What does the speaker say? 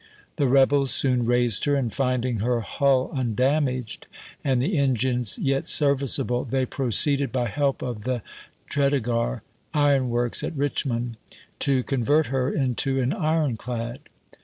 The rebels soon raised her, and finding her hull undamaged, and the engines yet serviceable, they proceeded by help of the Tredegar iron works, at Richmond, to convert her into an ironclad.